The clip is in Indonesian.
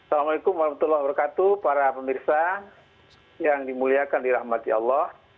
assalamualaikum warahmatullahi wabarakatuh para pemirsa yang dimuliakan dirahmati allah